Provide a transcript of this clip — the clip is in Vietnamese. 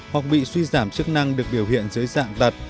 hoặc bị suy giảm chức năng được biểu hiện dưới dạng tật